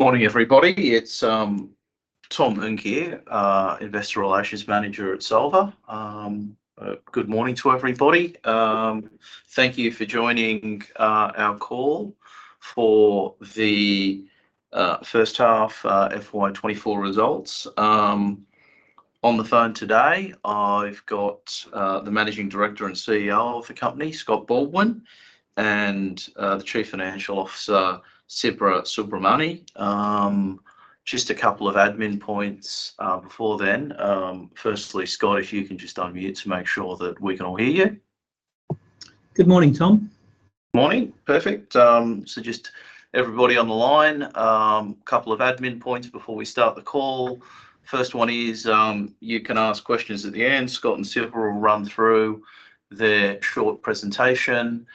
Morning, everybody. It's Tom Young here, Investor Relations Manager at Solvar. Good morning to everybody. Thank you for joining our call for the first half FY24 results. On the phone today I've got the Managing Director and CEO of the company, Scott Baldwin, and the Chief Financial Officer, Siva Subramani. Just a couple of admin points before then. Firstly, Scott, if you can just unmute to make sure that we can all hear you. Good morning, Tom. Morning. Perfect. So just everybody on the line, a couple of admin points before we start the call. First one is, you can ask questions at the end. Scott and Siva will run through their short presentation,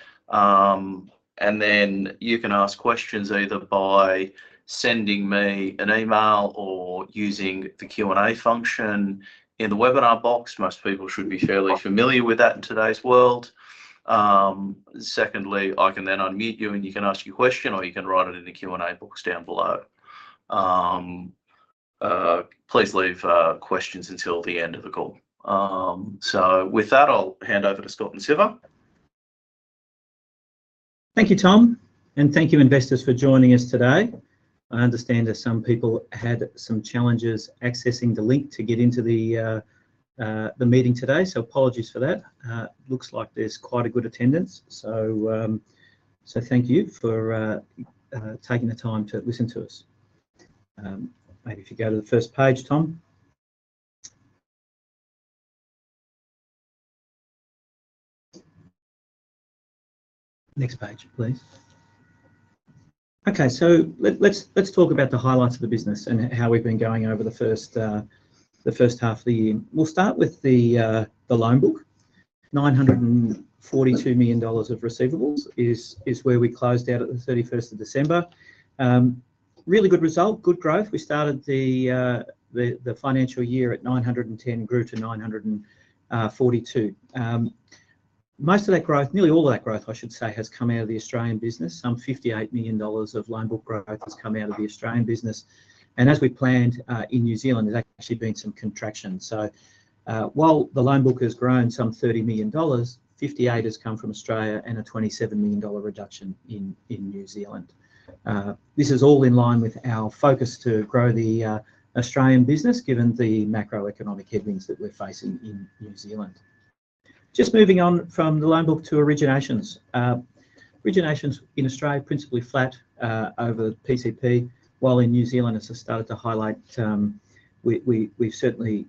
and then you can ask questions either by sending me an email or using the Q&A function in the webinar box. Most people should be fairly familiar with that in today's world. Secondly, I can then unmute you and you can ask your question, or you can write it in the Q&A box down below. Please leave questions until the end of the call. So with that, I'll hand over to Scott and Siva. Thank you, Tom, and thank you, investors, for joining us today. I understand that some people had some challenges accessing the link to get into the meeting today, so apologies for that. Looks like there's quite a good attendance, so thank you for taking the time to listen to us. Maybe if you go to the first page, Tom. Next page, please. Okay, so let's talk about the highlights of the business and how we've been going over the first half of the year. We'll start with the loan book. 942 million dollars of receivables is where we closed out at the 31st of December. Really good result, good growth. We started the financial year at 910 million, grew to 942 million. Most of that growth, nearly all of that growth, I should say, has come out of the Australian business. Some 58 million dollars of loan book growth has come out of the Australian business, and as we planned, in New Zealand, there's actually been some contraction. So, while the loan book has grown some 30 million dollars, 58 million has come from Australia and a 27 million dollar reduction in New Zealand. This is all in line with our focus to grow the Australian business given the macroeconomic headwinds that we're facing in New Zealand. Just moving on from the loan book to Originations. Originations in Australia are principally flat, over the PCP, while in New Zealand, as I started to highlight, we've certainly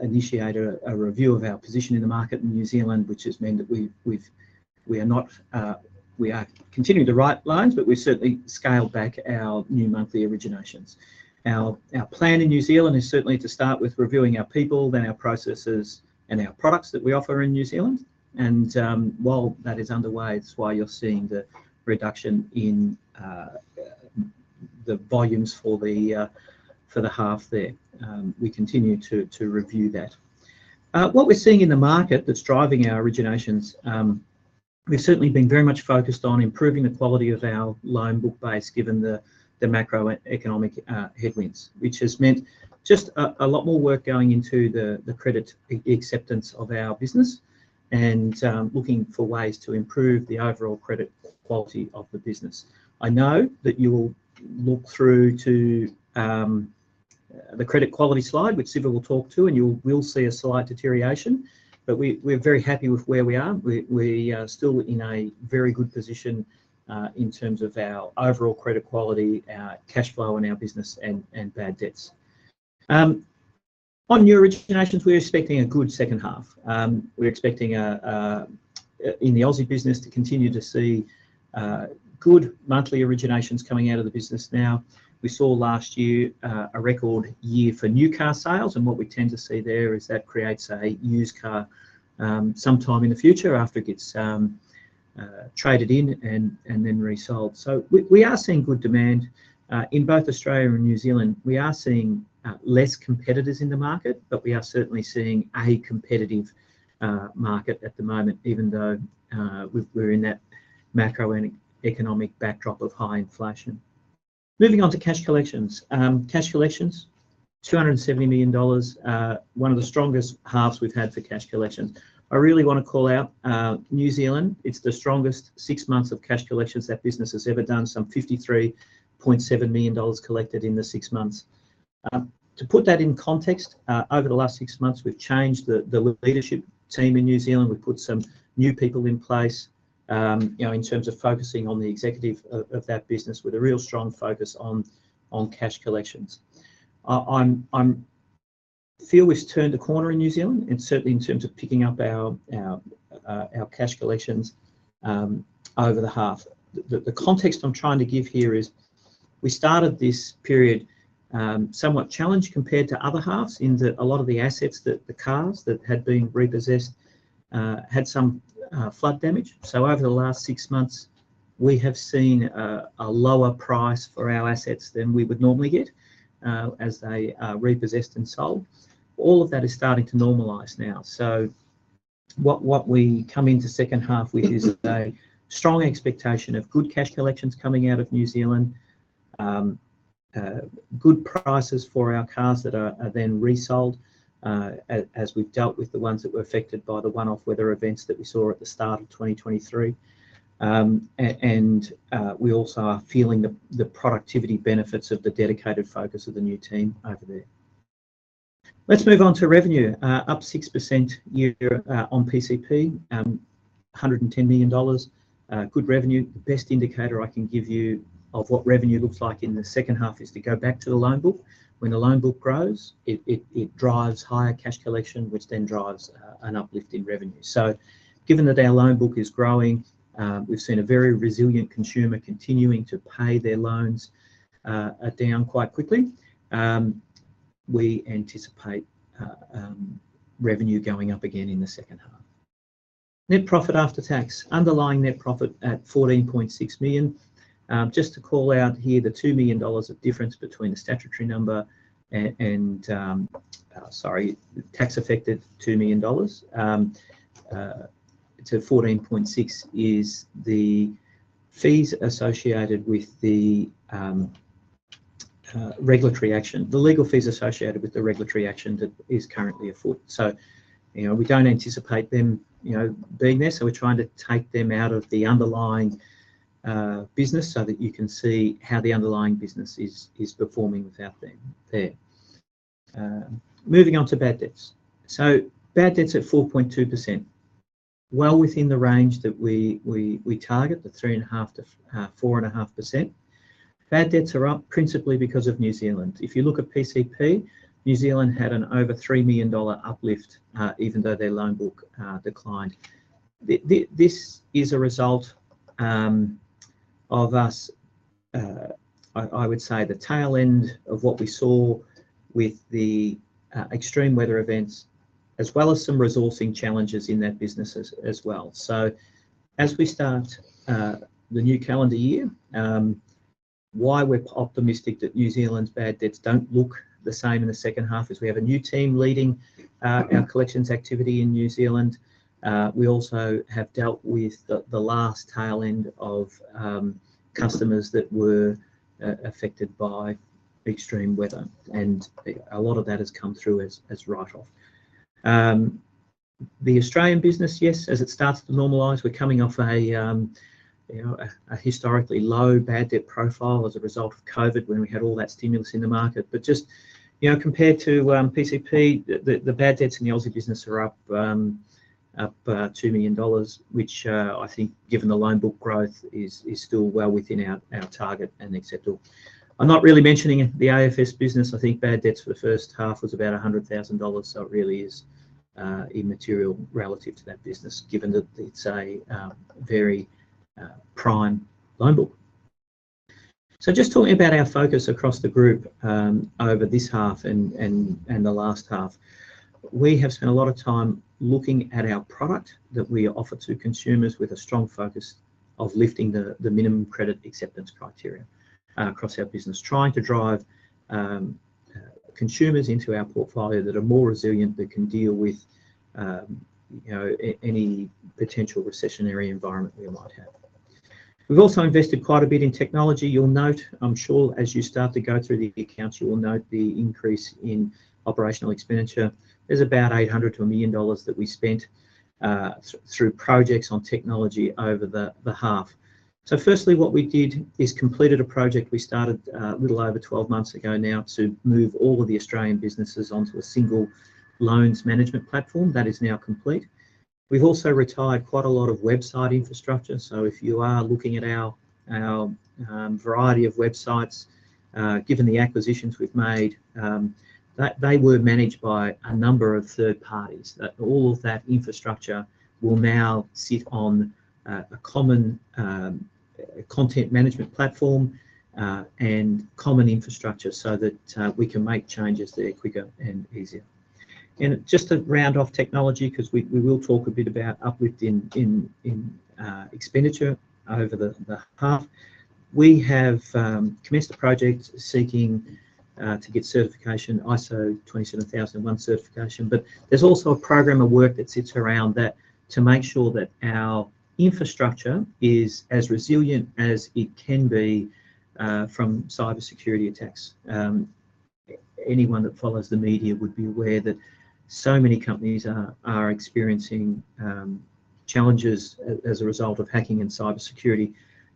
initiated a review of our position in the market in New Zealand, which has meant that we are continuing to write loans, but we've certainly scaled back our new monthly Originations. Our plan in New Zealand is certainly to start with reviewing our people, then our processes, and our products that we offer in New Zealand. While that is underway, that's why you're seeing the reduction in the volumes for the half there. We continue to review that. What we're seeing in the market that's driving our Originations, we've certainly been very much focused on improving the quality of our Loan Book base given the macroeconomic headwinds, which has meant just a lot more work going into the Credit Acceptance of our business and looking for ways to improve the overall credit quality of the business. I know that you will look through to the credit quality slide, which Siva will talk to, and you'll see a slight deterioration, but we're very happy with where we are. We still in a very good position, in terms of our overall credit quality, our cash flow, and our business and bad debts. On new originations, we're expecting a good second half. We're expecting, in the Aussie business to continue to see good monthly originations coming out of the business now. We saw last year, a record year for new car sales, and what we tend to see there is that creates, say, used car sometime in the future after it gets traded in and then resold. So we are seeing good demand in both Australia and New Zealand. We are seeing less competitors in the market, but we are certainly seeing a competitive market at the moment, even though we're in that macroeconomic backdrop of high inflation. Moving on to cash collections. Cash collections, 270 million dollars, one of the strongest halves we've had for cash collections. I really want to call out New Zealand. It's the strongest six months of cash collections that business has ever done, some 53.7 million dollars collected in the six months. To put that in context, over the last six months, we've changed the leadership team in New Zealand. We've put some new people in place, you know, in terms of focusing on the executive of that business with a real strong focus on cash collections. I feel we've turned the corner in New Zealand and certainly in terms of picking up our cash collections over the half. The context I'm trying to give here is we started this period, somewhat challenged compared to other halves in that a lot of the assets that the cars that had been repossessed, had some flood damage. So over the last six months, we have seen a lower price for our assets than we would normally get, as they repossessed and sold. All of that is starting to normalize now. So what we come into second half with is a strong expectation of good cash collections coming out of New Zealand, good prices for our cars that are then resold, as we've dealt with the ones that were affected by the one-off weather events that we saw at the start of 2023. And we also are feeling the productivity benefits of the dedicated focus of the new team over there. Let's move on to revenue. up 6% year-on-year on PCP, 110 million dollars. Good revenue. The best indicator I can give you of what revenue looks like in the second half is to go back to the loan book. When the loan book grows, it drives higher cash collection, which then drives an uplift in revenue. So given that our loan book is growing, we've seen a very resilient consumer continuing to pay their loans down quite quickly. We anticipate revenue going up again in the second half. Net profit after tax. Underlying net profit at 14.6 million. Just to call out here the 2 million dollars of difference between the statutory number and tax-affected AUD 2 million to 14.6 is the fees associated with the regulatory action, the legal fees associated with the regulatory action that is currently afoot. So, you know, we don't anticipate them, you know, being there, so we're trying to take them out of the underlying business so that you can see how the underlying business is performing without them there. Moving on to bad debts. So bad debts at 4.2%. Well within the range that we target, the 3.5%-4.5%. Bad debts are up principally because of New Zealand. If you look at PCP, New Zealand had an over 3 million dollar uplift, even though their loan book declined. This is a result of us, I would say the tail end of what we saw with the extreme weather events as well as some resourcing challenges in that business as well. So as we start the new calendar year, why we're optimistic that New Zealand's bad debts don't look the same in the second half is we have a new team leading our collections activity in New Zealand. We also have dealt with the last tail end of customers that were affected by extreme weather, and a lot of that has come through as write-off. The Australian business, yes, as it starts to normalize, we're coming off a, you know, historically low bad debt profile as a result of COVID when we had all that stimulus in the market. But just, you know, compared to PCP, the bad debts in the Aussie business are up 2 million dollars, which I think given the loan book growth is still well within our target and acceptable. I'm not really mentioning the AFS business. I think bad debts for the first half was about 100,000 dollars, so it really is immaterial relative to that business given that it's a very prime loan book. So just talking about our focus across the group, over this half and the last half, we have spent a lot of time looking at our product that we offer to consumers with a strong focus of lifting the minimum credit acceptance criteria across our business, trying to drive consumers into our portfolio that are more resilient, that can deal with, you know, any potential recessionary environment we might have. We've also invested quite a bit in technology. You'll note, I'm sure, as you start to go through the accounts, you will note the increase in operational expenditure. There's about 800,000-1 million dollars that we spent through projects on technology over the half. So firstly, what we did is completed a project we started, a little over 12 months ago now to move all of the Australian businesses onto a single loans management platform. That is now complete. We've also retired quite a lot of website infrastructure. So if you are looking at our variety of websites, given the acquisitions we've made, that they were managed by a number of third parties. That all of that infrastructure will now sit on a common content management platform, and common infrastructure so that we can make changes there quicker and easier. And just to round off technology because we will talk a bit about uplift in expenditure over the half, we have commenced a project seeking to get ISO 27001 certification, but there's also a program of work that sits around that to make sure that our infrastructure is as resilient as it can be from cybersecurity attacks. Anyone that follows the media would be aware that so many companies are experiencing challenges as a result of hacking and cybersecurity.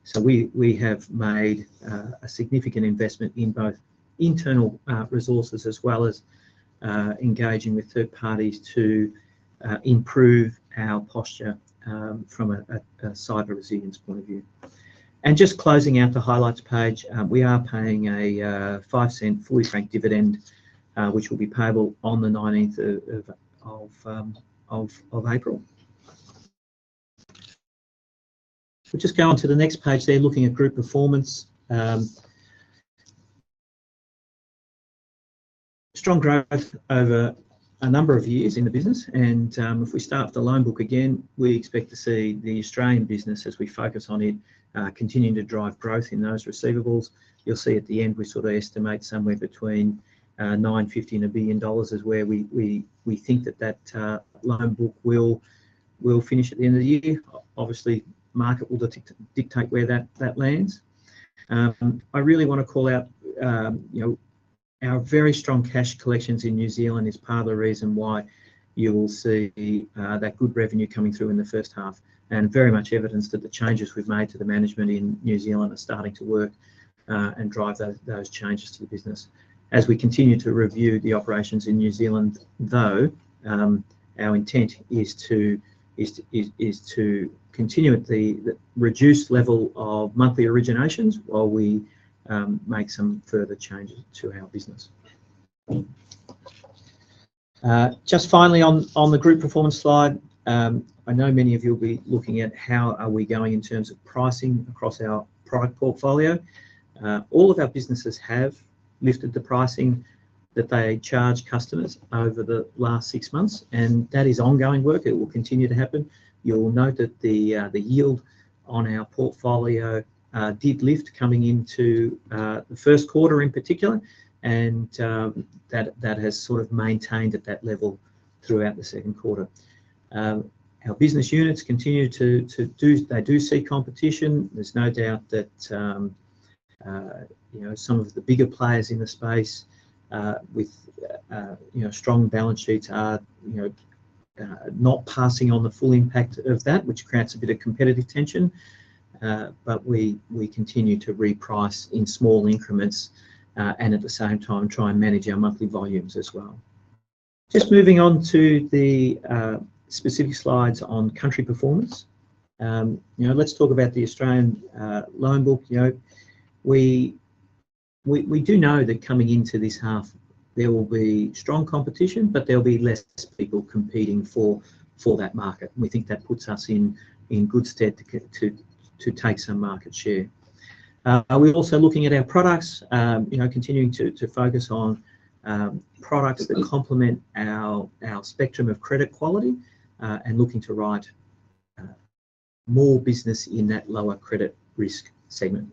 So we have made a significant investment in both internal resources as well as engaging with third parties to improve our posture from a cyber resilience point of view. And just closing out the highlights page, we are paying a 0.05 fully franked dividend, which will be payable on the 19th of April. We'll just go on to the next page there looking at group performance. Strong growth over a number of years in the business, and if we start with the loan book again, we expect to see the Australian business as we focus on it, continuing to drive growth in those receivables. You'll see at the end we sort of estimate somewhere between 950 million and 1 billion dollars is where we think that loan book will finish at the end of the year. Obviously, market will dictate where that lands. I really want to call out, you know, our very strong cash collections in New Zealand is part of the reason why you will see, that good revenue coming through in the first half and very much evidence that the changes we've made to the management in New Zealand are starting to work, and drive those, those changes to the business. As we continue to review the operations in New Zealand, though, our intent is to continue at the reduced level of monthly originations while we, make some further changes to our business. Just finally on, on the group performance slide, I know many of you'll be looking at how are we going in terms of pricing across our product portfolio. All of our businesses have lifted the pricing that they charge customers over the last six months, and that is ongoing work. It will continue to happen. You'll note that the yield on our portfolio did lift coming into the first quarter in particular, and that has sort of maintained at that level throughout the second quarter. Our business units continue to do. They do see competition. There's no doubt that, you know, some of the bigger players in the space, with, you know, strong balance sheets are, you know, not passing on the full impact of that, which creates a bit of competitive tension. But we, we continue to reprice in small increments, and at the same time try and manage our monthly volumes as well. Just moving on to the specific slides on country performance. You know, let's talk about the Australian loan book. You know, we do know that coming into this half, there will be strong competition, but there'll be less people competing for that market. We think that puts us in good stead to take some market share. We're also looking at our products, you know, continuing to focus on products that complement our spectrum of credit quality, and looking to write more business in that lower credit risk segment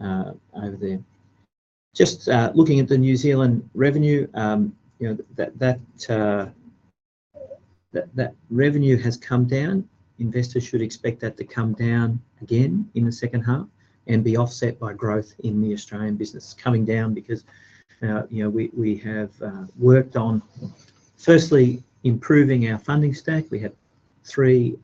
over there. Just looking at the New Zealand revenue, you know, that revenue has come down. Investors should expect that to come down again in the second half and be offset by growth in the Australian business coming down because, you know, we have worked on firstly improving our funding stack. We have three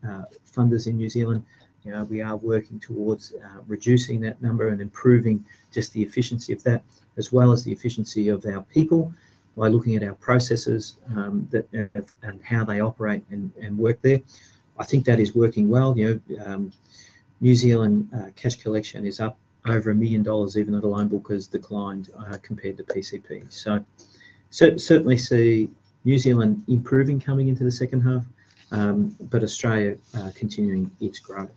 funders in New Zealand. You know, we are working towards reducing that number and improving just the efficiency of that as well as the efficiency of our people by looking at our processes, that and how they operate and work there. I think that is working well. You know, New Zealand cash collection is up over 1 million dollars even though the loan book has declined, compared to PCP. So certainly see New Zealand improving coming into the second half, but Australia continuing its growth.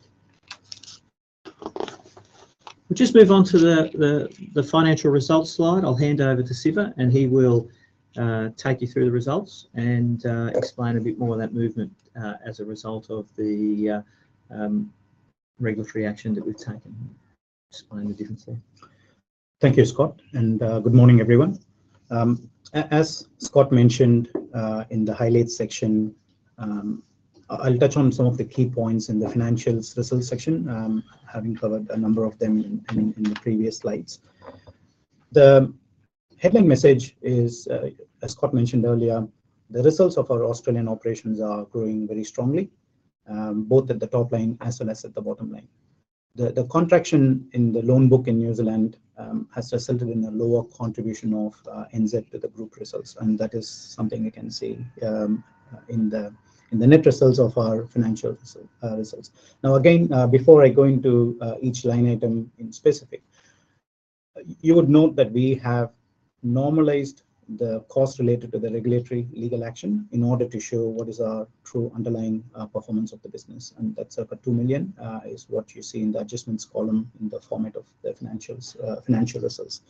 We'll just move on to the financial results slide. I'll hand over to Siva, and he will take you through the results and explain a bit more of that movement as a result of the regulatory action that we've taken, explain the difference there. Thank you, Scott, and good morning, everyone. As Scott mentioned, in the highlights section, I'll touch on some of the key points in the financials results section, having covered a number of them in the previous slides. The headline message is, as Scott mentioned earlier, the results of our Australian operations are growing very strongly, both at the top line as well as at the bottom line. The contraction in the loan book in New Zealand has resulted in a lower contribution of NZ to the group results, and that is something you can see in the net results of our financial results. Now, again, before I go into each line item in specific, you would note that we have normalized the cost related to the regulatory legal action in order to show what is our true underlying performance of the business, and that's circa 2 million, is what you see in the adjustments column in the format of the financials, financial results.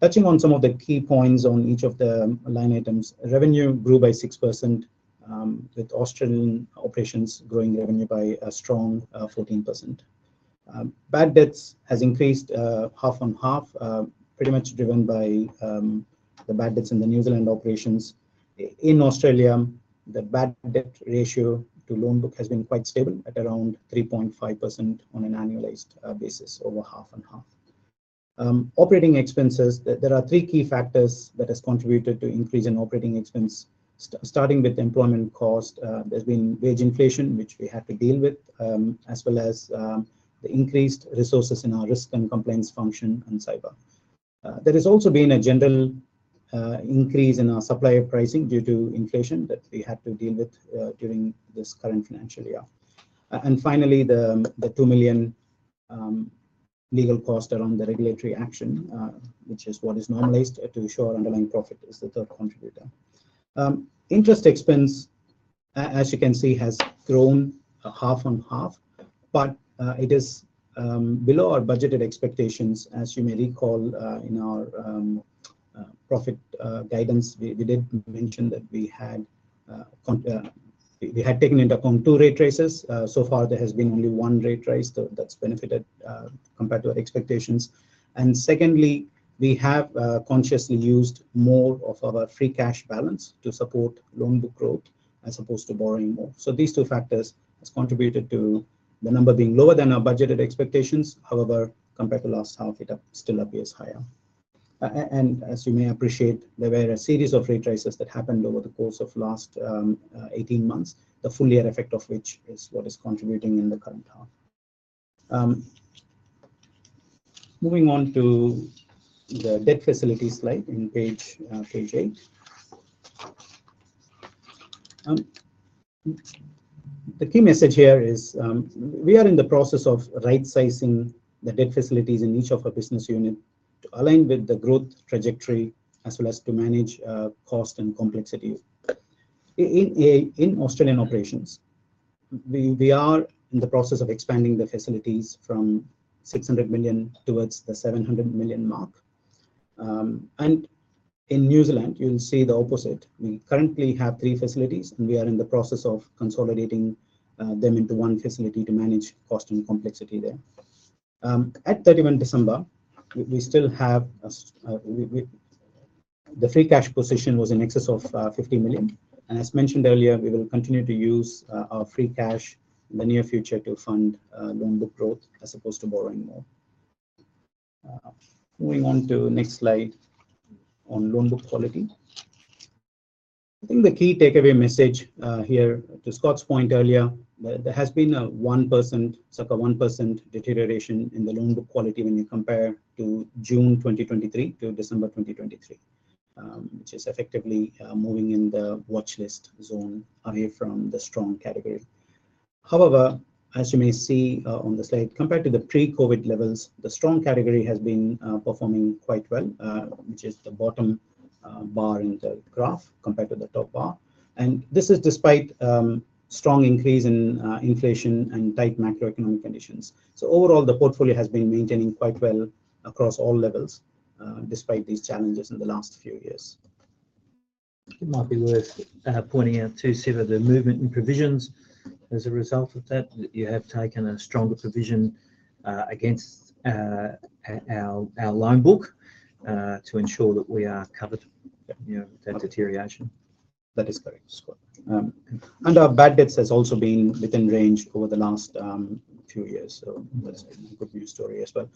Touching on some of the key points on each of the line items, revenue grew by 6%, with Australian operations growing revenue by a strong 14%. Bad debts has increased half on half, pretty much driven by the bad debts in the New Zealand operations. In Australia, the bad debt ratio to loan book has been quite stable at around 3.5% on an annualized basis over half on half. Operating expenses, there are three key factors that have contributed to increase in operating expense, starting with employment cost. There's been wage inflation, which we had to deal with, as well as the increased resources in our risk and compliance function and cyber. There has also been a general increase in our supplier pricing due to inflation that we had to deal with, during this current financial year. And finally, the 2 million legal cost around the regulatory action, which is what is normalized to assure underlying profit is the third contributor. Interest expense, as you can see, has grown half on half, but it is below our budgeted expectations as you may recall, in our profit guidance. We did mention that we had taken into account two rate raises. So far, there has been only one rate raise that's benefited, compared to our expectations. And secondly, we have consciously used more of our free cash balance to support loan book growth as opposed to borrowing more. So these two factors have contributed to the number being lower than our budgeted expectations. However, compared to last half, it still appears higher. And as you may appreciate, there were a series of rate raises that happened over the course of last 18 months, the full year effect of which is what is contributing in the current half. Moving on to the debt facility slide in page 8. The key message here is, we are in the process of right-sizing the debt facilities in each of our business units to align with the growth trajectory as well as to manage cost and complexity. In Australian operations, we are in the process of expanding the facilities from 600 million towards the 700 million mark. And in New Zealand, you'll see the opposite. We currently have three facilities, and we are in the process of consolidating them into one facility to manage cost and complexity there. At 31 December, we still have the free cash position was in excess of 50 million, and as mentioned earlier, we will continue to use our free cash in the near future to fund loan book growth as opposed to borrowing more. Moving on to next slide on loan book quality. I think the key takeaway message here to Scott's point earlier, there has been a 1% circa 1% deterioration in the loan book quality when you compare to June 2023 to December 2023, which is effectively moving in the watchlist zone away from the strong category. However, as you may see, on the slide, compared to the pre-COVID levels, the strong category has been performing quite well, which is the bottom bar in the graph compared to the top bar. And this is despite strong increase in inflation and tight macroeconomic conditions. So overall, the portfolio has been maintaining quite well across all levels, despite these challenges in the last few years. It might be worth pointing out too, Siva, the movement in provisions as a result of that, that you have taken a stronger provision against our loan book to ensure that we are covered, you know, that deterioration. That is correct, Scott. Our bad debts has also been within range over the last few years, so that's a good news story as well.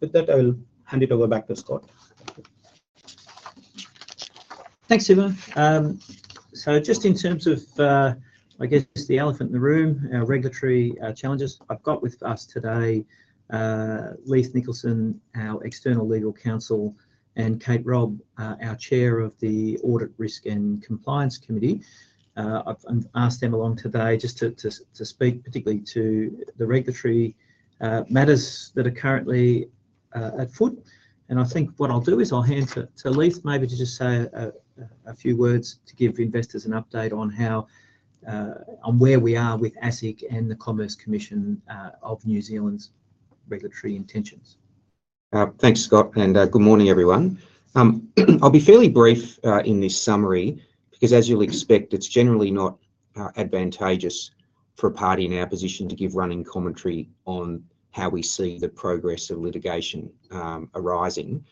With that, I will hand it over back to Scott. Thanks, Siva. So just in terms of, I guess the elephant in the room, our regulatory challenges, I've got with us today, Leith Nicholson, our external legal counsel, and Kate Robb, our chair of the Audit, Risk and Compliance Committee. I've, I've asked them along today just to, to, to speak particularly to the regulatory matters that are currently afoot. I think what I'll do is I'll hand to, to Leith maybe to just say a, a, a few words to give investors an update on how, on where we are with ASIC and the Commerce Commission of New Zealand's regulatory intentions. Thanks, Scott, and good morning, everyone. I'll be fairly brief in this summary because as you'll expect, it's generally not advantageous for a party in our position to give running commentary on how we see the progress of litigation arising.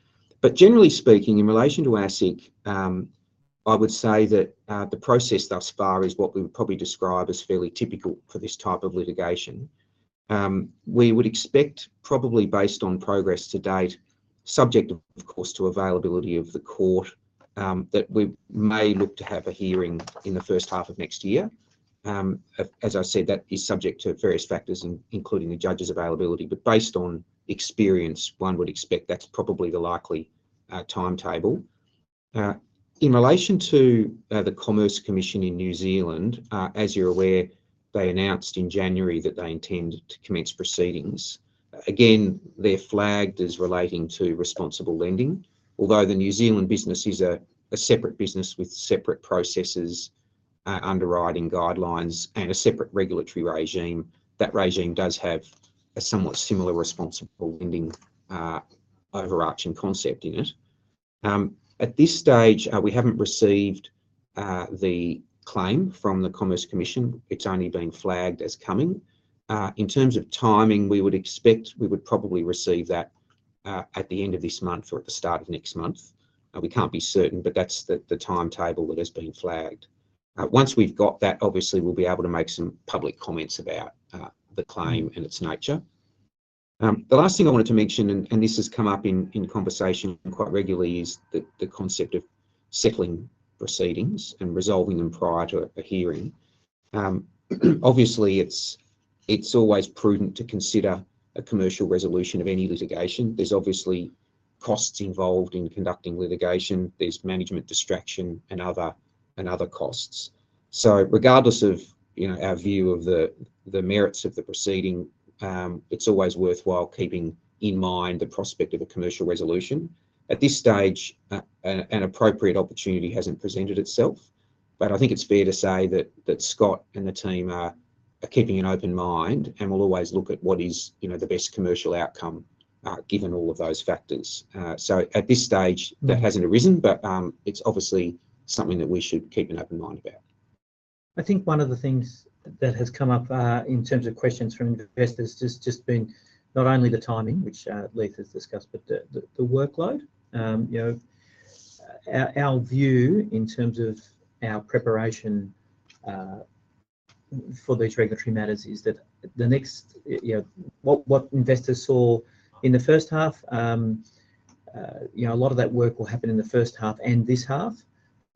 But generally speaking, in relation to ASIC, I would say that the process thus far is what we would probably describe as fairly typical for this type of litigation. We would expect probably based on progress to date, subject, of course, to availability of the court, that we may look to have a hearing in the first half of next year. As I said, that is subject to various factors including the judge's availability, but based on experience, one would expect that's probably the likely timetable. In relation to the Commerce Commission New Zealand, as you're aware, they announced in January that they intend to commence proceedings. Again, they're flagged as relating to responsible lending, although the New Zealand business is a separate business with separate processes, underwriting guidelines, and a separate regulatory regime. That regime does have a somewhat similar responsible lending, overarching concept in it. At this stage, we haven't received the claim from the Commerce Commission. It's only been flagged as coming. In terms of timing, we would expect we would probably receive that at the end of this month or at the start of next month. We can't be certain, but that's the timetable that has been flagged. Once we've got that, obviously, we'll be able to make some public comments about the claim and its nature. The last thing I wanted to mention, and this has come up in conversation quite regularly, is the concept of settling proceedings and resolving them prior to a hearing. Obviously, it's always prudent to consider a commercial resolution of any litigation. There's obviously costs involved in conducting litigation. There's management distraction and other costs. So regardless of, you know, our view of the merits of the proceeding, it's always worthwhile keeping in mind the prospect of a commercial resolution. At this stage, an appropriate opportunity hasn't presented itself, but I think it's fair to say that Scott and the team are keeping an open mind and will always look at what is, you know, the best commercial outcome, given all of those factors. So at this stage, that hasn't arisen, but it's obviously something that we should keep an open mind about. I think one of the things that has come up in terms of questions from investors has just been not only the timing, which Leith has discussed, but the, the, the workload. You know, our, our view in terms of our preparation for these regulatory matters is that the next, y-you know, what, what investors saw in the first half, you know, a lot of that work will happen in the first half and this half.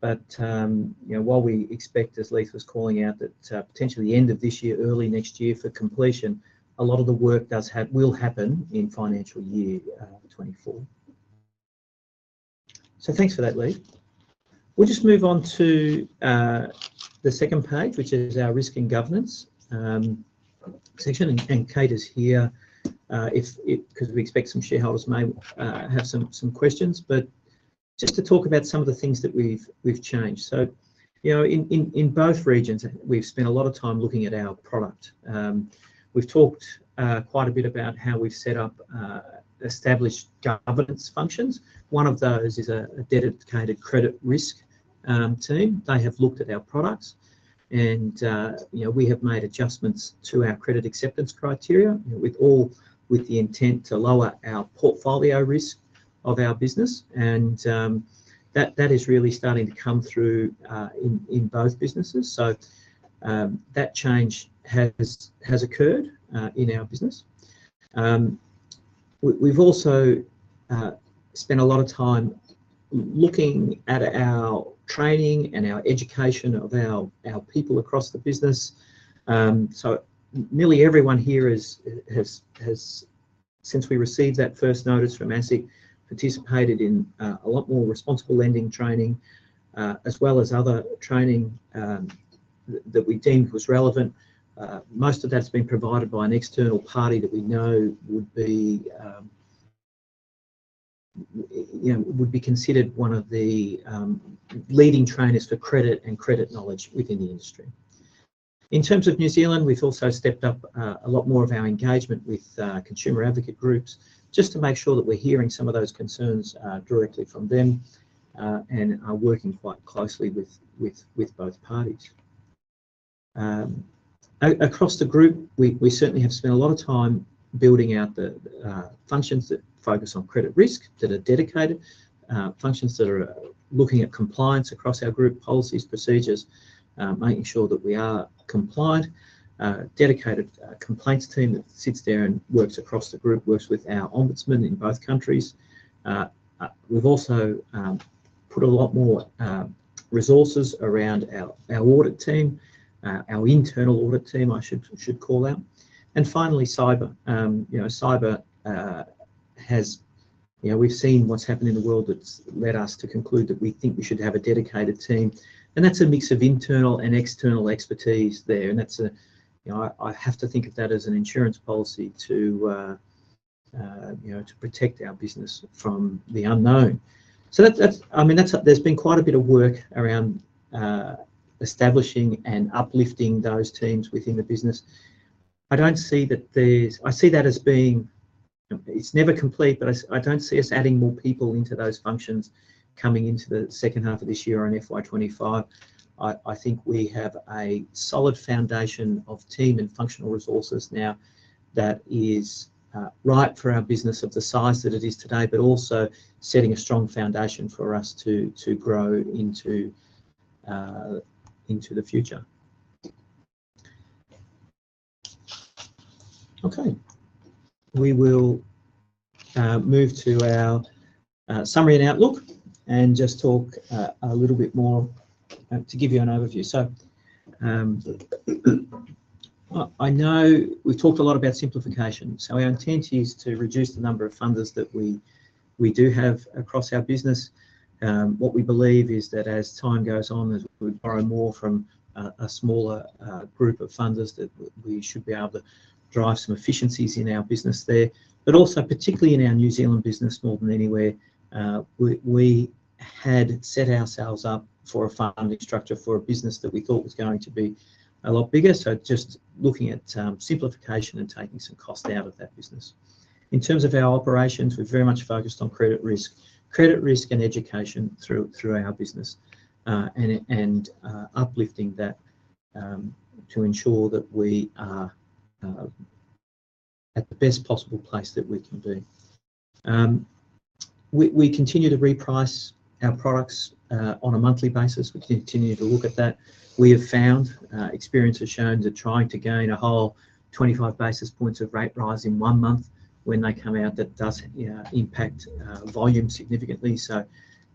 But you know, while we expect, as Leith was calling out, that potentially the end of this year, early next year for completion, a lot of the work does ha will happen in financial year 2024. So thanks for that, Leith. We'll just move on to the second page, which is our risk and governance section, and Kate is here, if it 'cause we expect some shareholders may have some, some questions. But just to talk about some of the things that we've changed. So, you know, in both regions, we've spent a lot of time looking at our product. We've talked quite a bit about how we've set up established governance functions. One of those is a dedicated credit risk team. They have looked at our products, and, you know, we have made adjustments to our credit acceptance criteria, you know, with the intent to lower our portfolio risk of our business. And that is really starting to come through in both businesses. So that change has occurred in our business. We've also spent a lot of time looking at our training and our education of our people across the business. So nearly everyone here has since we received that first notice from ASIC, participated in a lot more responsible lending training, as well as other training that we deemed was relevant. Most of that's been provided by an external party that we know you know would be considered one of the leading trainers for credit and credit knowledge within the industry. In terms of New Zealand, we've also stepped up a lot more of our engagement with consumer advocate groups just to make sure that we're hearing some of those concerns directly from them, and are working quite closely with both parties. Across the group, we certainly have spent a lot of time building out the functions that focus on credit risk that are dedicated functions that are looking at compliance across our group policies, procedures, making sure that we are compliant, dedicated complaints team that sits there and works across the group, works with our ombudsman in both countries. We've also put a lot more resources around our audit team, our internal audit team, I should call out. And finally, cyber. You know, cyber has, you know, we've seen what's happened in the world that's led us to conclude that we think we should have a dedicated team. And that's a mix of internal and external expertise there. And that's, you know, I have to think of that as an insurance policy, you know, to protect our business from the unknown. So that's, I mean, there's been quite a bit of work around establishing and uplifting those teams within the business. I don't see that. I see that as being. It's never complete, but I don't see us adding more people into those functions coming into the second half of this year on FY25. I think we have a solid foundation of team and functional resources now that is right for our business of the size that it is today, but also setting a strong foundation for us to grow into the future. Okay. We will move to our summary and outlook and just talk a little bit more to give you an overview. So, I know we've talked a lot about simplification. So our intent is to reduce the number of funders that we do have across our business. What we believe is that as time goes on, as we borrow more from a smaller group of funders, that we should be able to drive some efficiencies in our business there. But also, particularly in our New Zealand business more than anywhere, we had set ourselves up for a funding structure for a business that we thought was going to be a lot bigger. So just looking at simplification and taking some cost out of that business. In terms of our operations, we're very much focused on credit risk, credit risk, and education through our business, and uplifting that, to ensure that we are at the best possible place that we can be. We continue to reprice our products on a monthly basis. We continue to look at that. We have found experience has shown that trying to gain a whole 25 basis points of rate rise in one month when they come out, that does, you know, impact volume significantly. So,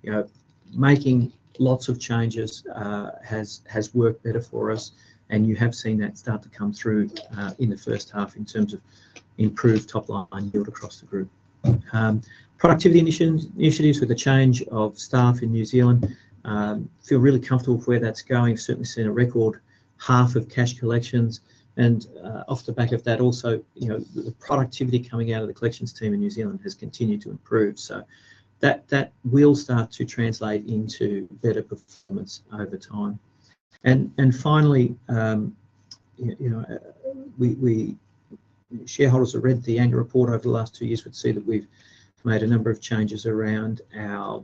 you know, making lots of changes has worked better for us, and you have seen that start to come through in the first half in terms of improved top-line yield across the group. Productivity initiatives with the change of staff in New Zealand feel really comfortable with where that's going. We have certainly seen a record half of cash collections. Off the back of that also, you know, the productivity coming out of the collections team in New Zealand has continued to improve. So that will start to translate into better performance over time. And finally, you know, we shareholders who read the annual report over the last two years would see that we've made a number of changes around our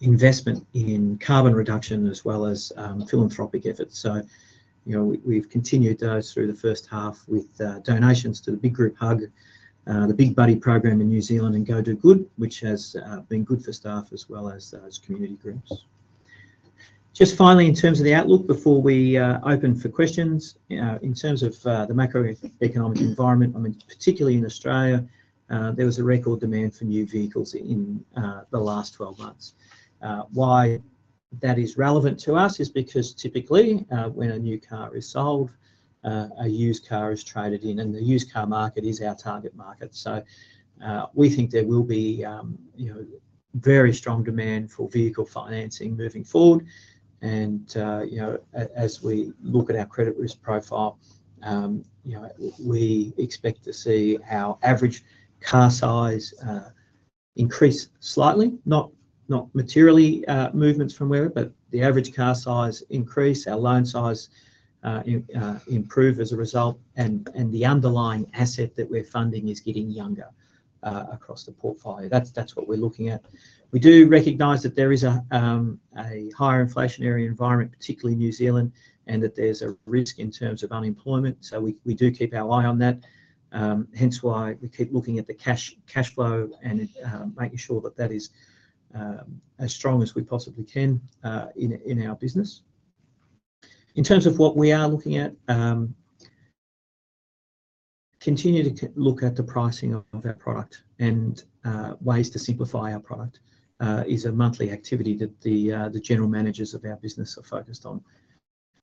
investment in carbon reduction as well as philanthropic efforts. So, you know, we've continued those through the first half with donations to the Big Group Hug, the Big Buddy Programme in New Zealand, and Go Do Good, which has been good for staff as well as community groups. Just finally, in terms of the outlook before we open for questions, in terms of the macroeconomic environment, I mean, particularly in Australia, there was a record demand for new vehicles in the last 12 months. Why that is relevant to us is because typically, when a new car is sold, a used car is traded in, and the used car market is our target market. So, we think there will be, you know, very strong demand for vehicle financing moving forward. And, you know, as we look at our credit risk profile, you know, we expect to see our average car size increase slightly, not materially, movements from wherever, but the average car size increase, our loan size improve as a result, and the underlying asset that we're funding is getting younger across the portfolio. That's what we're looking at. We do recognize that there is a higher inflationary environment, particularly in New Zealand, and that there's a risk in terms of unemployment. So we do keep our eye on that, hence why we keep looking at the cash flow and making sure that that is as strong as we possibly can in our business. In terms of what we are looking at, continue to look at the pricing of our product and ways to simplify our product is a monthly activity that the general managers of our business are focused on.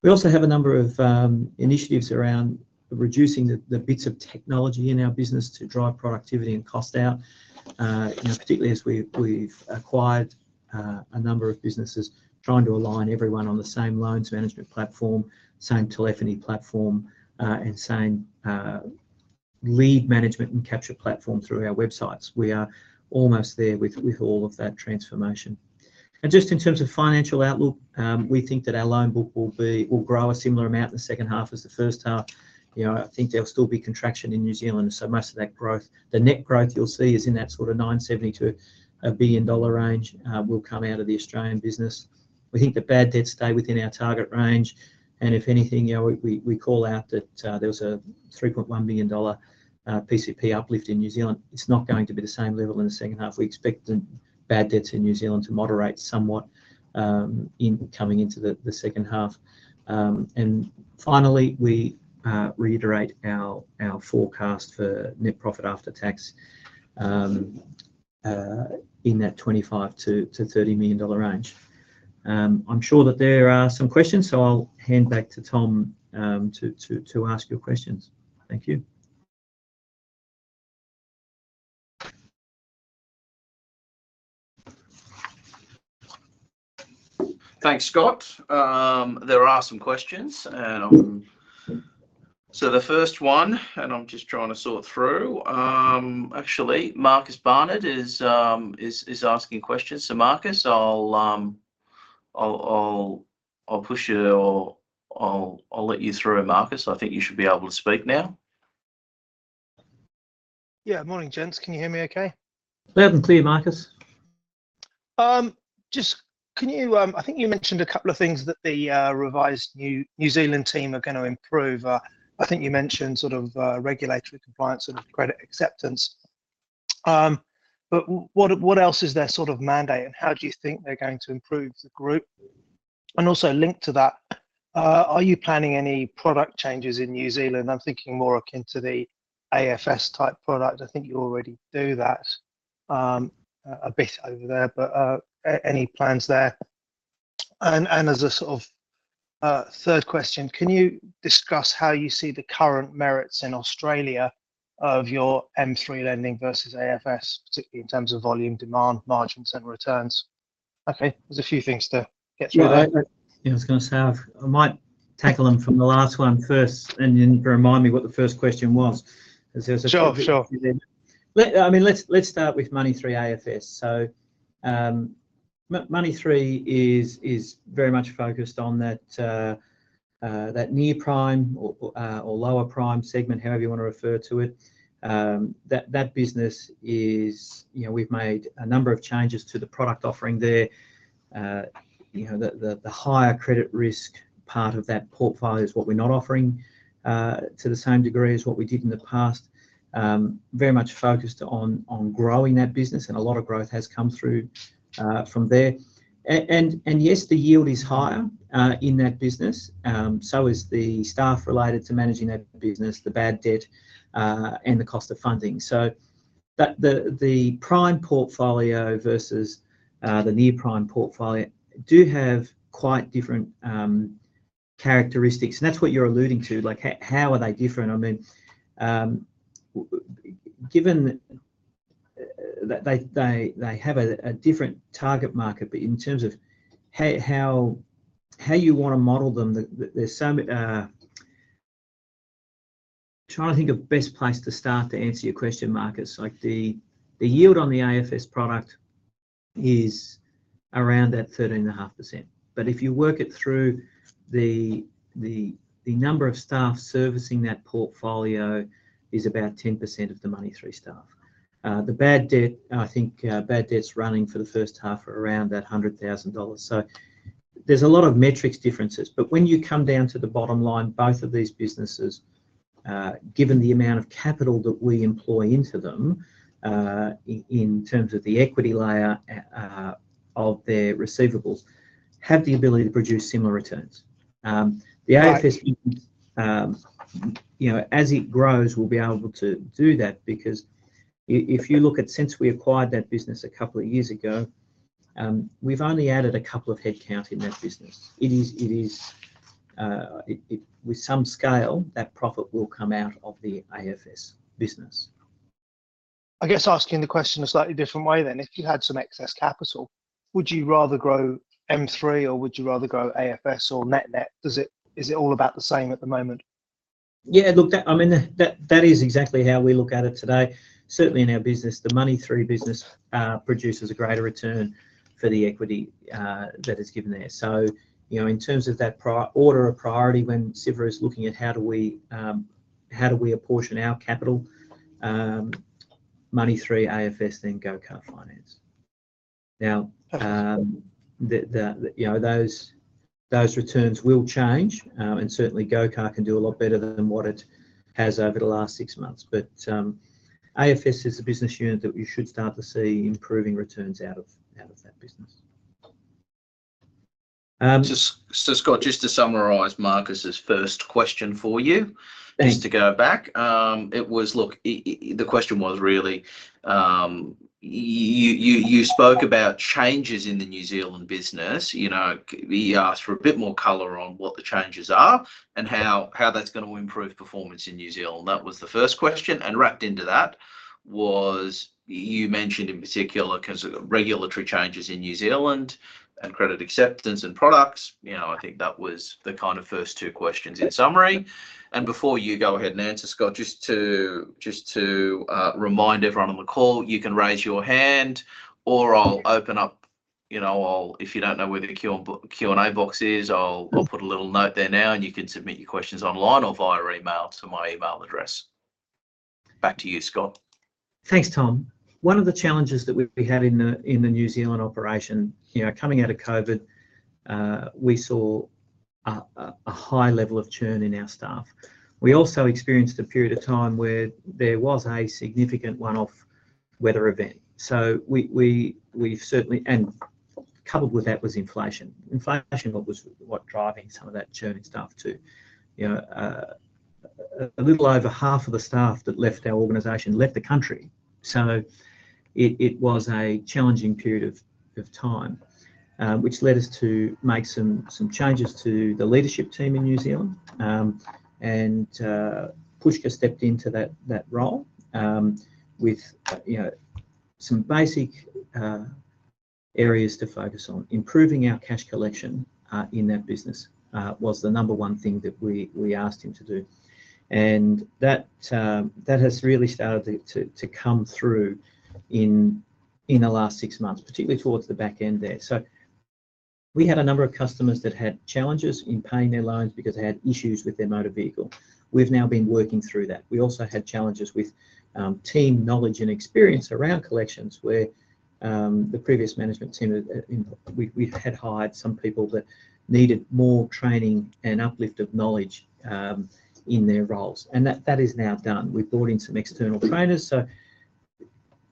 We also have a number of initiatives around reducing the bits of technology in our business to drive productivity and cost out, you know, particularly as we've acquired a number of businesses trying to align everyone on the same loans management platform, same telephony platform, and same lead management and capture platform through our websites. We are almost there with all of that transformation. Just in terms of financial outlook, we think that our loan book will grow a similar amount in the second half as the first half. You know, I think there'll still be contraction in New Zealand, so most of that growth the net growth you'll see is in that sort of 972 billion dollar range, will come out of the Australian business. We think the bad debts stay within our target range. And if anything, you know, we call out that there was a 3.1 billion dollar PCP uplift in New Zealand. It's not going to be the same level in the second half. We expect the bad debts in New Zealand to moderate somewhat, in coming into the second half. Finally, we reiterate our forecast for net profit after tax in that 25 million-30 million dollar range. I'm sure that there are some questions, so I'll hand back to Tom to ask your questions. Thank you. Thanks, Scott. There are some questions, and so the first one, and I'm just trying to sort through. Actually, Marcus Barnard is asking questions. So Marcus, I'll push you or I'll let you through. Marcus, I think you should be able to speak now. Yeah. Morning, gents. Can you hear me okay? Loud and clear, Marcus. Just can you, I think you mentioned a couple of things that the revised New Zealand team are going to improve. I think you mentioned sort of regulatory compliance and credit acceptance. But what, what else is their sort of mandate, and how do you think they're going to improve the group? And also linked to that, are you planning any product changes in New Zealand? I'm thinking more akin to the AFS-type product. I think you already do that a bit over there, but any plans there? And as a sort of third question, can you discuss how you see the current merits in Australia of your M3 lending versus AFS, particularly in terms of volume, demand, margins, and returns? Okay. There's a few things to get through there. Yeah, I was going to say I might tackle them from the last one first and then remind me what the first question was because there was a question in there. Sure. Sure. I mean, let's, let's start with Money3 AFS. So, Money3 is, is very much focused on that, that near prime or, or lower prime segment, however you want to refer to it. That business is you know, we've made a number of changes to the product offering there. You know, the higher credit risk part of that portfolio is what we're not offering, to the same degree as what we did in the past, very much focused on growing that business, and a lot of growth has come through from there. And yes, the yield is higher in that business, so is the staff related to managing that business, the bad debt, and the cost of funding. So that the prime portfolio versus the near prime portfolio do have quite different characteristics. And that's what you're alluding to. Like, how are they different? I mean, well given that they have a different target market, but in terms of how you want to model them, there's so much. Trying to think of best place to start to answer your question, Marcus. Like, the yield on the AFS product is around that 13.5%. But if you work it through, the number of staff servicing that portfolio is about 10% of the Money3 staff. The bad debt, I think, bad debt's running for the first half around that 100,000 dollars. So there's a lot of metrics differences. But when you come down to the bottom line, both of these businesses, given the amount of capital that we employ into them, in terms of the equity layer of their receivables, have the ability to produce similar returns. the AFS business, you know, as it grows, we'll be able to do that because if you look at since we acquired that business a couple of years ago, we've only added a couple of headcount in that business. It is, with some scale, that profit will come out of the AFS business. I guess, asking the question a slightly different way, then. If you had some excess capital, would you rather grow M3, or would you rather grow AFS or net-net? Is it all about the same at the moment? Yeah. Look, that I mean, that is exactly how we look at it today. Certainly in our business, the Money3 business, produces a greater return for the equity that is given there. So, you know, in terms of that priority order of priority when Siva is looking at how do we, how do we apportion our capital, Money3, AFS, then Go Car Finance. Now, you know, those returns will change, and certainly Go Car Finance can do a lot better than what it has over the last six months. But, AFS is a business unit that you should start to see improving returns out of that business. So, Scott, just to summarize Marcus's first question for you. Thanks. Just to go back, it was, look, the question was really, you spoke about changes in the New Zealand business. You know, he asked for a bit more color on what the changes are and how that's going to improve performance in New Zealand. That was the first question. Wrapped into that was you mentioned in particular because regulatory changes in New Zealand and credit acceptance and products. You know, I think that was the kind of first two questions in summary. And before you go ahead and answer, Scott, just to remind everyone on the call, you can raise your hand, or I'll open up, you know, if you don't know where the Q&A box is, I'll put a little note there now, and you can submit your questions online or via email to my email address. Back to you, Scott. Thanks, Tom. One of the challenges that we had in the New Zealand operation, you know, coming out of COVID, we saw a high level of churn in our staff. We also experienced a period of time where there was a significant one-off weather event. So we've certainly, and coupled with that was inflation. Inflation was driving some of that churn in staff too. You know, a little over half of the staff that left our organization left the country. So it was a challenging period of time, which led us to make some changes to the leadership team in New Zealand, and, Puspa stepped into that role, with, you know, some basic areas to focus on. Improving our cash collection in that business was the number one thing that we asked him to do. That has really started to come through in the last six months, particularly towards the back end there. We had a number of customers that had challenges in paying their loans because they had issues with their motor vehicle. We've now been working through that. We also had challenges with team knowledge and experience around collections where the previous management team had, we had hired some people that needed more training and uplift of knowledge in their roles. That is now done. We've brought in some external trainers.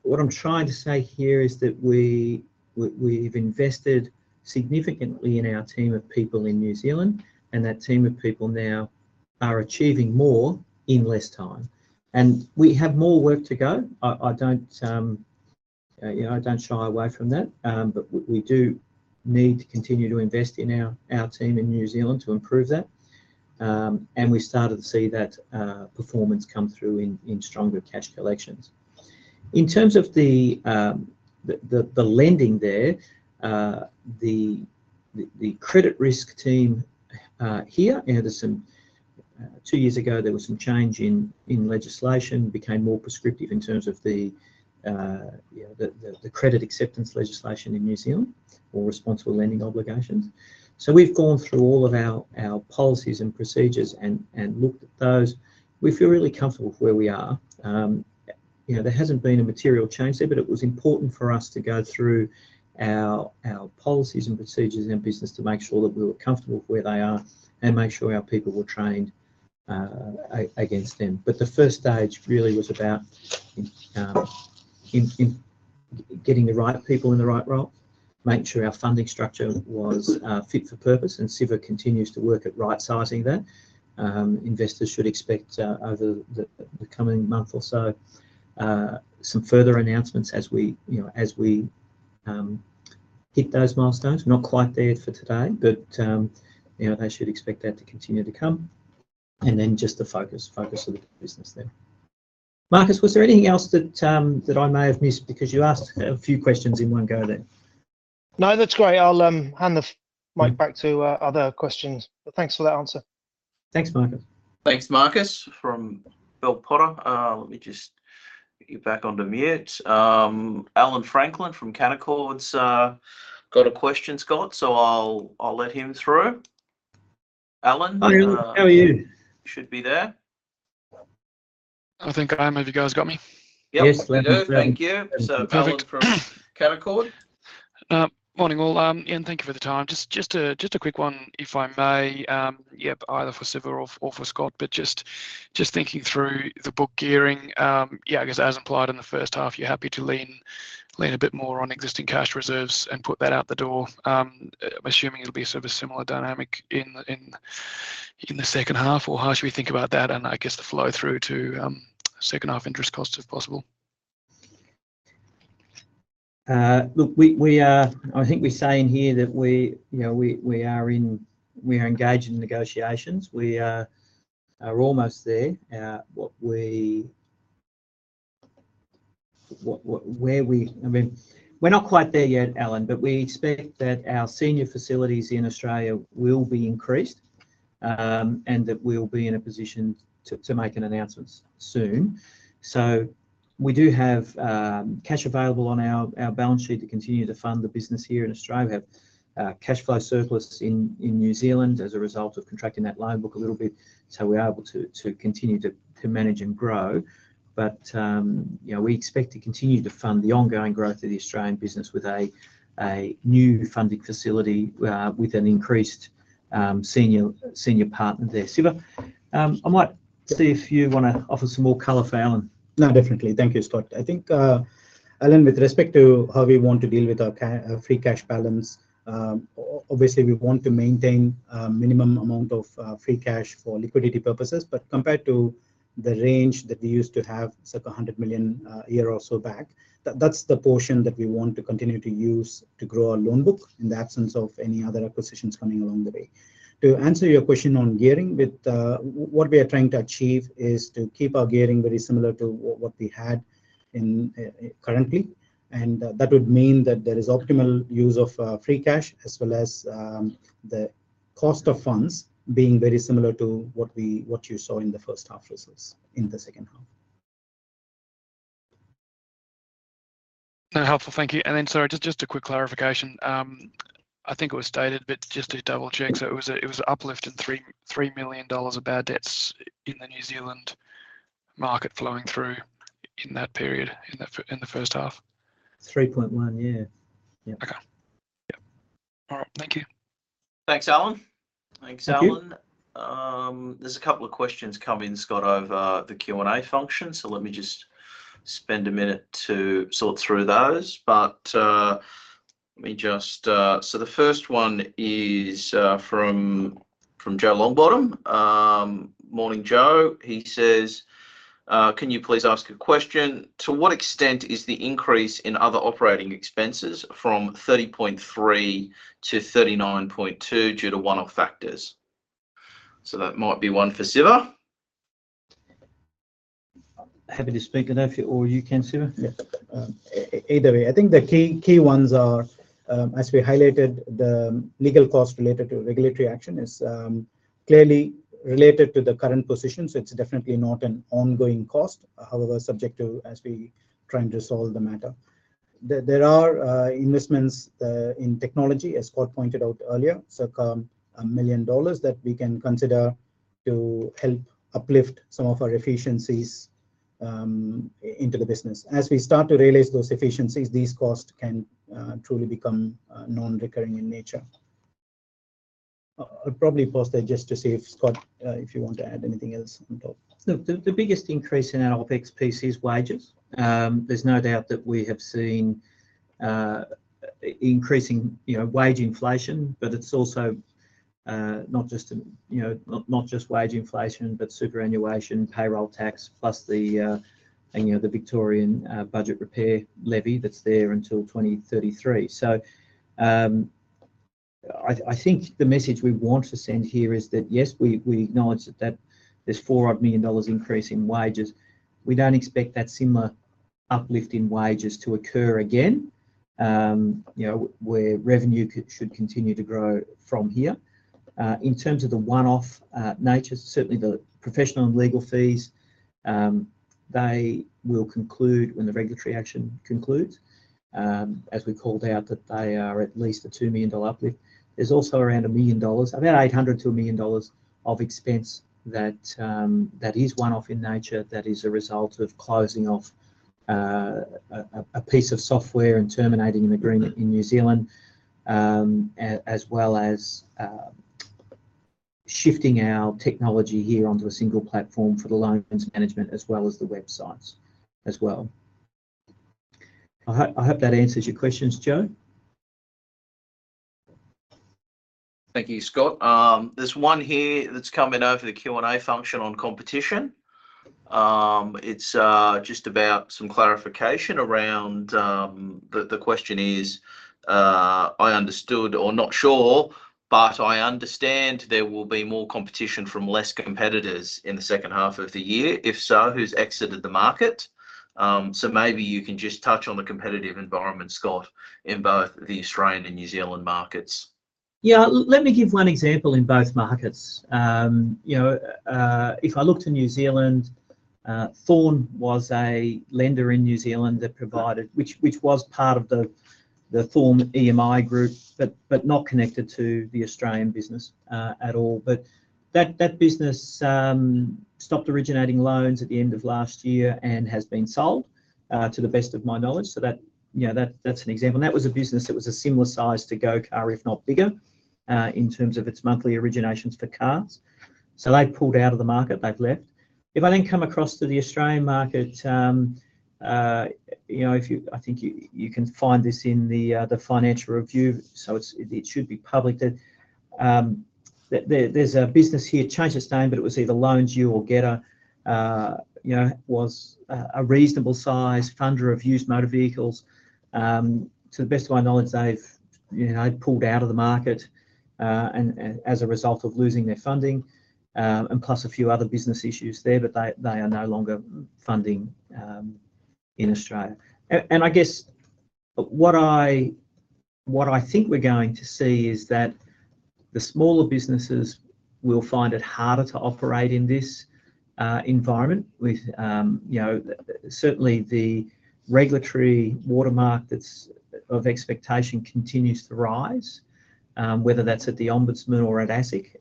What I'm trying to say here is that we've invested significantly in our team of people in New Zealand, and that team of people now are achieving more in less time. We have more work to go. I don't, you know, I don't shy away from that, but we do need to continue to invest in our team in New Zealand to improve that. We started to see that performance come through in stronger cash collections. In terms of the lending there, the credit risk team, you know, there's some two years ago, there was some change in legislation, became more prescriptive in terms of the, you know, the credit acceptance legislation in New Zealand or responsible lending obligations. So we've gone through all of our policies and procedures and looked at those. We feel really comfortable with where we are. You know, there hasn't been a material change there, but it was important for us to go through our policies and procedures in our business to make sure that we were comfortable with where they are and make sure our people were trained against them. But the first stage really was about getting the right people in the right role, make sure our funding structure was fit for purpose, and Siva continues to work at right-sizing that. Investors should expect, over the coming month or so, some further announcements as we, you know, as we hit those milestones. We're not quite there for today, but, you know, they should expect that to continue to come. And then just the focus of the business there. Marcus, was there anything else that I may have missed because you asked a few questions in one go there? No, that's great. I'll hand the mic back to other questions. But thanks for that answer. Thanks, Marcus. Thanks, Marcus, from Bell Potter. Let me just get you back onto mute. Alan Franklin from Canaccord Genuity's got a question, Scott, so I'll, I'll let him through. Alan, How are you? How are you? Should be there. I think I am. Have you guys got me? Yep. Yes, Loud and clear. Thank you. So, Alan. Perfect. From Canaccord? Morning, all. thank you for the time. Just a quick one, if I may, yeah, either for Siva or for Scott, but just thinking through the book gearing. Yeah, I guess as implied in the first half, you're happy to lean a bit more on existing cash reserves and put that out the door. Assuming it'll be sort of a similar dynamic in the second half, or how should we think about that and, I guess, the flow through to second half interest costs if possible? Look, we are, I think we say in here that we, you know, we are engaged in negotiations. We are almost there. What we, what, what where we I mean, we're not quite there yet, Alan, but we expect that our senior facilities in Australia will be increased, and that we'll be in a position to make an announcement soon. So we do have cash available on our balance sheet to continue to fund the business here in Australia. We have cash flow surplus in New Zealand as a result of contracting that loan book a little bit, so we are able to continue to manage and grow. But, you know, we expect to continue to fund the ongoing growth of the Australian business with a new funding facility, with an increased senior partner there. Siva, I might see if you want to offer some more color for Alan. No, definitely. Thank you, Scott. I think, Alan, with respect to how we want to deal with our cash free cash balance, obviously, we want to maintain a minimum amount of free cash for liquidity purposes. But compared to the range that we used to have, circa 100 million, a year or so back, that's the portion that we want to continue to use to grow our loan book in the absence of any other acquisitions coming along the way. To answer your question on gearing, what we are trying to achieve is to keep our gearing very similar to what we had currently. And, that would mean that there is optimal use of free cash as well as the cost of funds being very similar to what you saw in the first half results in the second half. No, helpful. Thank you. Then, sorry, just a quick clarification. I think it was stated, but just to double-check, so it was an uplift in 3 million dollars of bad debts in the New Zealand market flowing through in that period, in the first half. 3.1, yeah. Yep. Okay. Yep. All right. Thank you. Thanks, Alan. Thanks, Alan. Thank you. There's a couple of questions coming in, Scott, over the Q&A function, so let me just spend a minute to sort through those. But let me just, so the first one is from Joe Longbottom. Morning, Joe. He says, "Can you please ask a question? To what extent is the increase in other operating expenses from 30.3-39.2 due to one-off factors?" So that might be one for Siva. Happy to speak. I don't know if you or you can, Siva. Yes. Either way, I think the key, key ones are, as we highlighted, the legal cost related to regulatory action is, clearly related to the current position, so it's definitely not an ongoing cost, however, subject to as we try and resolve the matter. There are investments in technology, as Scott pointed out earlier, circa 1 million dollars that we can consider to help uplift some of our efficiencies into the business. As we start to realize those efficiencies, these costs can truly become non-recurring in nature. I'll probably pause there just to see if Scott, if you want to add anything else on top. Look, the biggest increase in our OpEx piece is wages. There's no doubt that we have seen increasing, you know, wage inflation, but it's also not just, you know, not just wage inflation, but superannuation, payroll tax, plus the, you know, the Victorian budget repair levy that's there until 2033. So, I think the message we want to send here is that, yes, we acknowledge that there's 400 million dollars increase in wages. We don't expect that similar uplift in wages to occur again. You know, our revenue should continue to grow from here. In terms of the one-off nature, certainly the professional and legal fees, they will conclude when the regulatory action concludes, as we called out, that they are at least 2 million dollar uplift. There's also around 1 million dollars, about 800,000 to 1 million dollars of expense that is one-off in nature, that is a result of closing off a piece of software and terminating an agreement in New Zealand, as well as shifting our technology here onto a single platform for the loans management as well as the websites as well. I hope that answers your questions, Joe. Thank you, Scott. There's one here that's coming over the Q&A function on competition. It's just about some clarification around the question is, "I understood or not sure, but I understand there will be more competition from less competitors in the second half of the year. If so, who's exited the market?" So maybe you can just touch on the competitive environment, Scott, in both the Australian and New Zealand markets. Yeah. Let me give one example in both markets. You know, if I looked to New Zealand, Thorn was a lender in New Zealand that provided, which was part of the Thorn EMI group, but not connected to the Australian business, at all. But that business stopped originating loans at the end of last year and has been sold, to the best of my knowledge. So that, you know, that's an example. And that was a business that was a similar size to Go Car, if not bigger, in terms of its monthly originations for cars. So they've pulled out of the market. They've left. If I then come across to the Australian market, you know, if you, I think you can find this in the Financial Review, so it's, it should be public there. There's a business here, changed its name, but it was either Loans U or Get A, you know. Was a reasonable size funder of used motor vehicles. To the best of my knowledge, they've, you know, pulled out of the market, and as a result of losing their funding, and plus a few other business issues there, but they are no longer funding in Australia. And I guess what I think we're going to see is that the smaller businesses will find it harder to operate in this environment with, you know, certainly the regulatory watermark that's of expectation continues to rise, whether that's at the Ombudsman or at ASIC.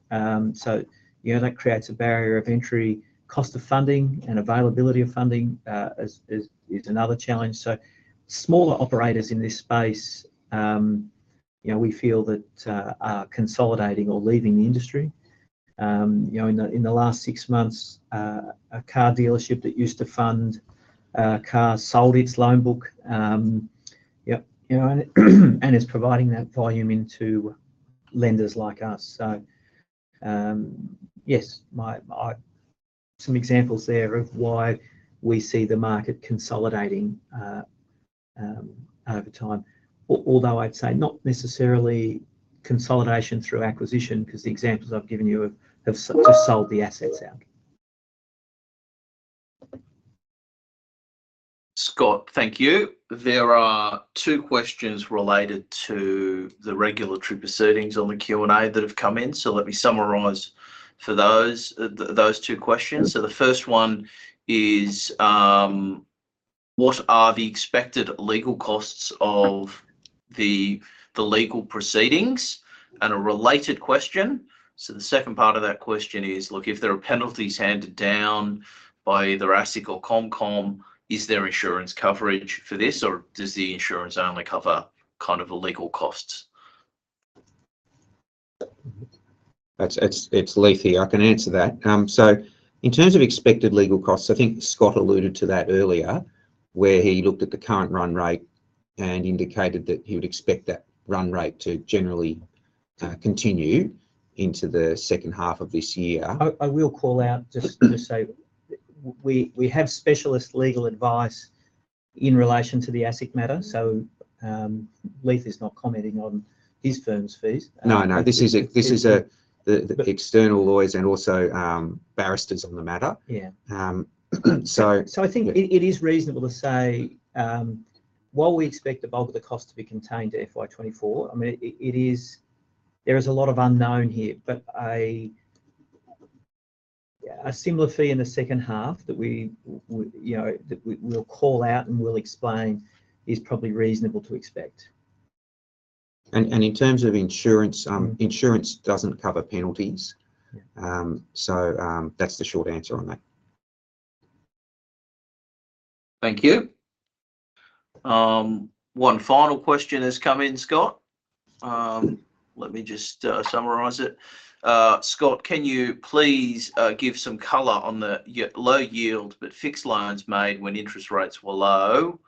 So, you know, that creates a barrier of entry. Cost of funding and availability of funding is another challenge. So smaller operators in this space, you know, we feel that are consolidating or leaving the industry. You know, in the last six months, a car dealership that used to fund cars sold its loan book. Yep, you know, and it's providing that volume into lenders like us. So, yes, some examples there of why we see the market consolidating over time, although I'd say not necessarily consolidation through acquisition because the examples I've given you have just sold the assets out. Scott, thank you. There are two questions related to the regulatory proceedings on the Q&A that have come in, so let me summarize for those two questions. So the first one is, "What are the expected legal costs of the legal proceedings?" and a related question. So the second part of that question is, "Look, if there are penalties handed down by either ASIC or ComCom, is there insurance coverage for this, or does the insurance only cover kind of legal costs? That's Leith. I can answer that. So in terms of expected legal costs, I think Scott alluded to that earlier where he looked at the current run rate and indicated that he would expect that run rate to generally continue into the second half of this year. I will call out just say we have specialist legal advice in relation to the ASIC matter, so Leith is not commenting on his firm's fees. No, no. This is the external lawyers and also barristers on the matter. Yeah. so. So I think it is reasonable to say, while we expect the bulk of the cost to be contained to FY24, I mean, there is a lot of unknown here, but a similar fee in the second half that we, you know, we'll call out and we'll explain is probably reasonable to expect. In terms of insurance, insurance doesn't cover penalties. So, that's the short answer on that. Thank you. One final question has come in, Scott. Let me just summarize it. Scott, can you please give some color on the low-yield but fixed loans made when interest rates were low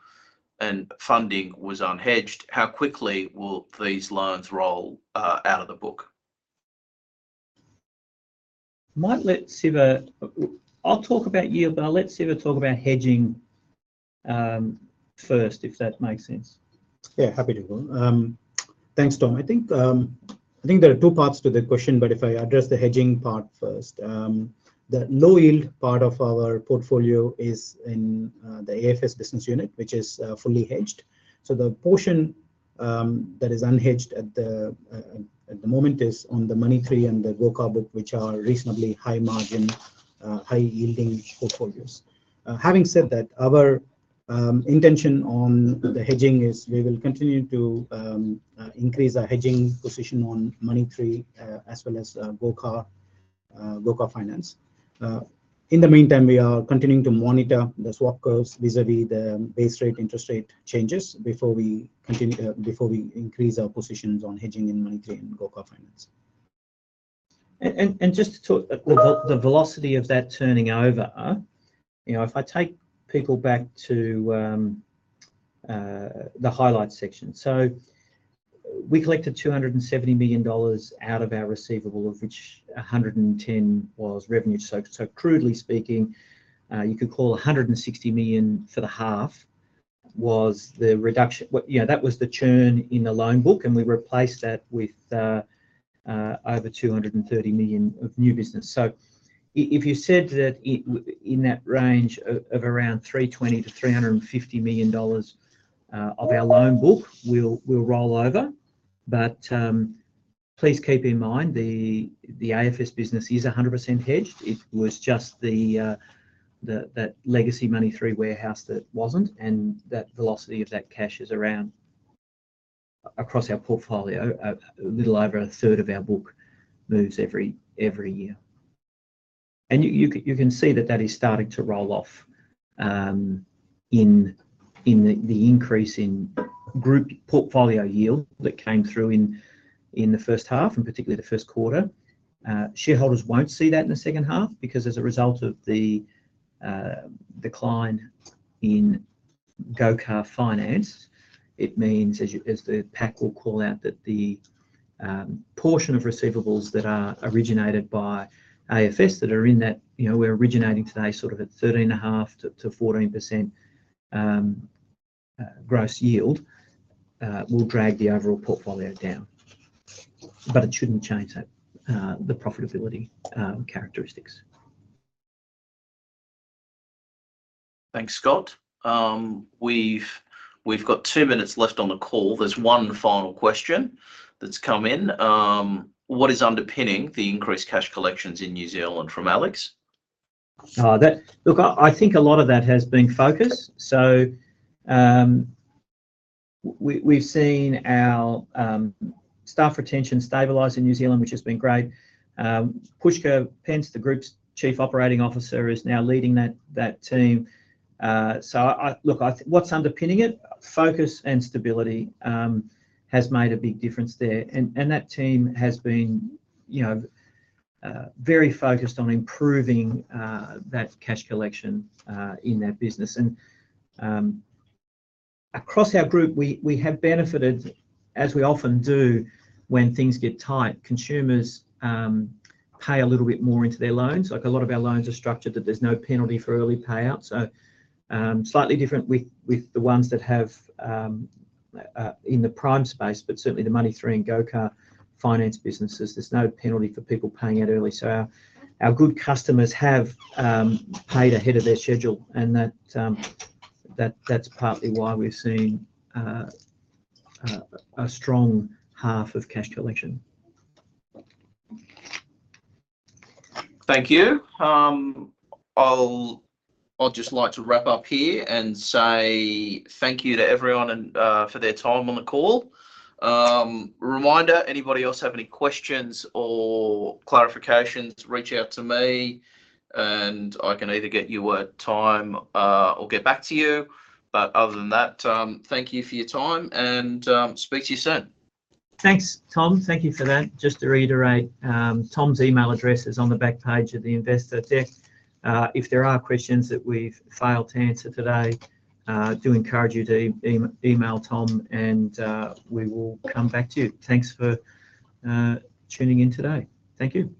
and funding was unhedged? How quickly will these loans roll out of the book? Might let Siva. I'll talk about yield, but I'll let Siva talk about hedging first if that makes sense. Yeah, happy to. Thanks, Tom. I think, I think there are two parts to the question, but if I address the hedging part first. The low-yield part of our portfolio is in the AFS business unit, which is fully hedged. So the portion that is unhedged at the moment is on the Money3 and the Go Car book, which are reasonably high-margin, high-yielding portfolios. Having said that, our intention on the hedging is we will continue to increase our hedging position on Money3, as well as Go Car, Go Car Finance. In the meantime, we are continuing to monitor the swap curves vis-a-vis the base rate interest rate changes before we continue before we increase our positions on hedging in Money3 and Go Car Finance. And just to talk about the velocity of that turning over, you know, if I take people back to the highlight section. So we collected 270 million dollars out of our receivable, of which 110 million was revenue. So, so crudely speaking, you could call 160 million for the half was the reduction, you know, that was the churn in the loan book, and we replaced that with over 230 million of new business. So if you said that it was in that range of around 320 million-350 million dollars of our loan book will roll over, but please keep in mind the AFS business is 100% hedged. It was just that legacy Money3 warehouse that wasn't, and that velocity of that cash is around across our portfolio. A little over a third of our book moves every year. And you can see that is starting to roll off, in the increase in group portfolio yield that came through in the first half and particularly the first quarter. Shareholders won't see that in the second half because as a result of the decline in Go Car Finance, it means as the PCP will call out that the portion of receivables that are originated by AFS that are in that you know, we're originating today sort of at 13.5%-14% gross yield, will drag the overall portfolio down. But it shouldn't change the profitability characteristics. Thanks, Scott. We've got two minutes left on the call. There's one final question that's come in. "What is underpinning the increased cash collections in New Zealand from Alex? That, look, I think a lot of that has been focus. So, we've seen our staff retention stabilise in New Zealand, which has been great. Puspa Thinley, the Group's Chief Operating Officer, is now leading that team. So I look, I think what's underpinning it, focus and stability, has made a big difference there. And that team has been, you know, very focused on improving that cash collection in their business. And across our group, we have benefited, as we often do when things get tight. Consumers pay a little bit more into their loans. Like, a lot of our loans are structured that there's no penalty for early payout. So, slightly different with the ones that have in the prime space, but certainly the Money3 and Go Car Finance businesses, there's no penalty for people paying out early. So our good customers have paid ahead of their schedule, and that's partly why we've seen a strong half of cash collection. Thank you. I'll just like to wrap up here and say thank you to everyone and for their time on the call. Reminder, anybody else have any questions or clarifications, reach out to me, and I can either get you a time or get back to you. But other than that, thank you for your time, and speak to you soon. Thanks, Tom. Thank you for that. Just to reiterate, Tom's email address is on the back page of the investor deck. If there are questions that we've failed to answer today, do encourage you to email Tom, and we will come back to you. Thanks for tuning in today. Thank you.